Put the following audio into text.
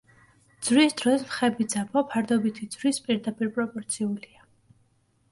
ძვრის დროს მხები ძაბვა ფარდობითი ძვრის პირდაპირპროპორციულია.